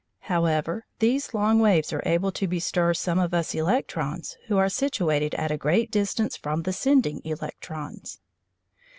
However, these long waves are able to bestir some of us electrons who are situated at a great distance from the sending electrons.